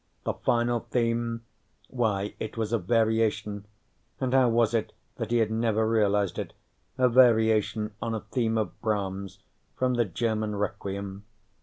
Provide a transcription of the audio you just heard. The final theme. Why, it was a variation and how was it that he had never realized it? a variation on a theme of Brahms, from the German Requiem.